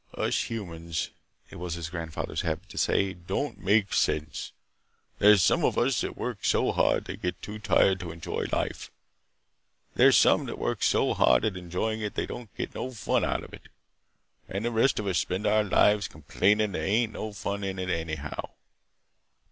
"Us humans," it was his grandfather's habit to say, "don't make sense! There's some of us that work so hard they're too tired to enjoy life. There's some that work so hard at enjoying it that they don't get no fun out of it. And the rest of us spend our lives complainin' that there ain't any fun in it anyhow.